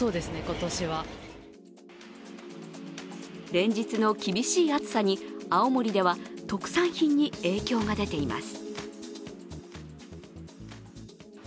連日の厳しい暑さに青森では特産品に影響が出ています。